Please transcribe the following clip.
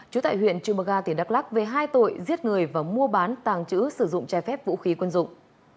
trú tại huyện trư bờ ga tỉnh đắk lắc về hai tội giết người và mua bán tàng trữ sử dụng trái phép vũ khí quân dụng